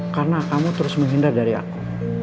karena kamu terus menghindar dari aku